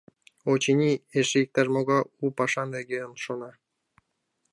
Очыни, эше иктаж-могай у паша нерген шона.